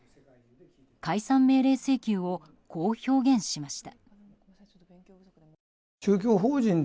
解散命令請求をこう表現しました。